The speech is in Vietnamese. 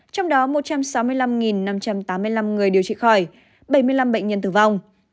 trong đó một trăm sáu mươi năm năm trăm tám mươi năm người điều trị khỏi bảy mươi năm bệnh nhân tử vong